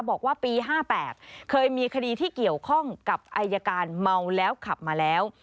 บอกว่าปี๕๘เคยมีคดีที่เกี่ยวข้องกับอายการเมาแล้วขับมาแล้ว